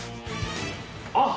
あっ！